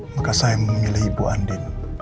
maka saya yang memilih ibu andi